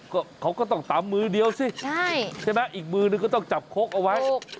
ก็เขาก็ต้องตำมือเดียวสิใช่ไหมอีกมือนึงก็ต้องจับคกเอาไว้